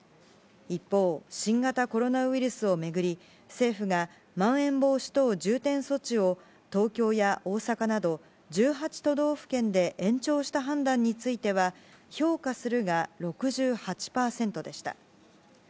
一方、新型コロナウイルスを巡り政府がまん延防止等重点措置を東京や大阪など１８都道府県で延長した判断については評価するが６８％でした。